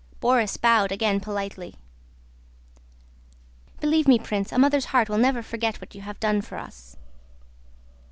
Borís bowed again politely. "Believe me, Prince, a mother's heart will never forget what you have done for us."